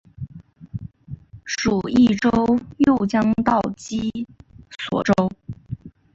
属邕州右江道羁縻州。